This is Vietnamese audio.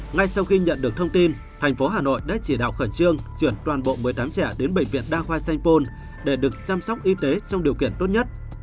ngay sau khi nhận được thông tin thành phố hà nội đã chỉ đạo khẩn trương chuyển toàn bộ một mươi tám trẻ đến bệnh viện đa khoa sanh pôn để được chăm sóc y tế trong điều kiện tốt nhất